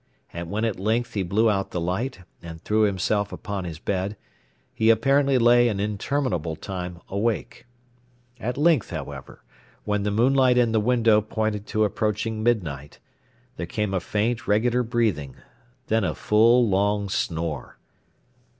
And when at length he blew out the light, and threw himself upon his bed, he apparently lay an interminable time awake. At length, however, when the moonlight in the window pointed to approaching midnight, there came a faint regular breathing, then a full long snore.